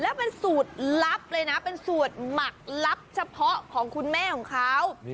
แล้วเป็นสูตรลับเลยนะเป็นสูตรหมักลับเฉพาะของคุณแม่ของเขา